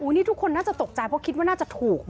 นี่ทุกคนน่าจะตกใจเพราะคิดว่าน่าจะถูก